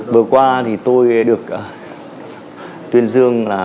bữa qua thì tôi được tuyên dương là